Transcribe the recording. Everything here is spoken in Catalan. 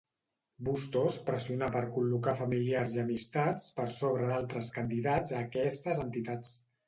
Bustos pressionà per col·locar familiars i amistats per sobre d'altres candidats a aquestes entitats.